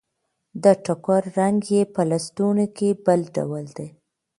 د ټوکر رنګ يې په لستوڼي کې بل ډول دی.